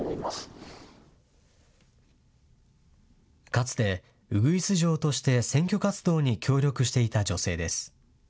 かつてウグイス嬢として選挙活動に協力していた女性です。